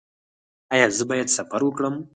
ایا زه باید سفر وکړم؟